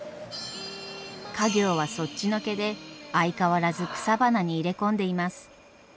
家業はそっちのけで相変わらず草花に入れ込んでいます。